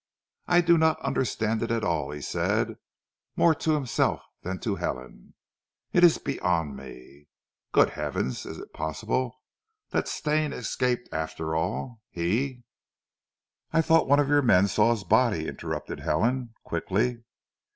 "I do not understand it at all," he said, more to himself than to Helen. "It is beyond me. Good Heavens! Is it possible that Stane escaped after all? He " "I thought one of your men saw his body?" interrupted Helen, quickly.